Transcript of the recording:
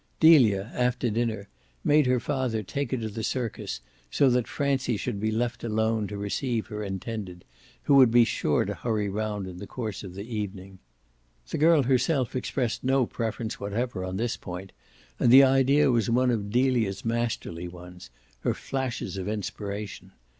Delia, after dinner, made her father take her to the circus so that Francie should be left alone to receive her intended, who would be sure to hurry round in the course of the evening. The girl herself expressed no preference whatever on this point, and the idea was one of Delia's masterly ones, her flashes of inspiration.